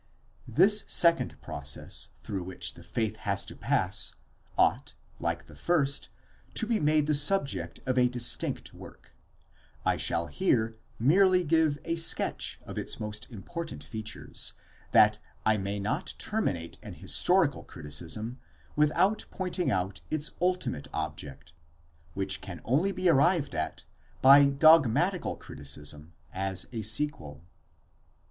This second process through which the faith has to pass, ought, like the first, to be made the subject of a distinct work: I shall here merely give a sketch of its most important features, that I may not terminate an historical criticism without pointing out its ultimate object, which can only be arrived at by dogmatical criticism as a sequel.